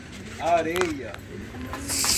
Areia